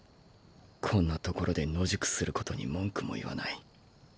こんな所で野宿することに文句も言わない。